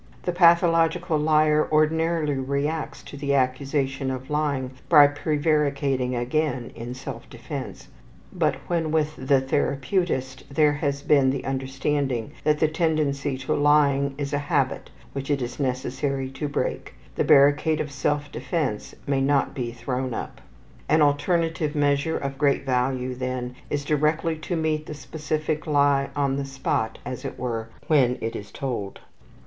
The pathological liar ordinarily reacts to the accusation of lying by prevaricating again in self defense, but when with the therapeutist there has been the understanding that the tendency to lying is a habit which it is necessary to break, the barricade of self defense may not be thrown up. An alterative measure of great value, then, is directly to meet the specific lie on the spot, as it were, when it is told.